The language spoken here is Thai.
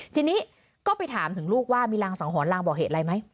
ทีนี้ก็ไปถามถึงลูกว่ามีรางสังหรณรางบอกเหตุอะไรไหม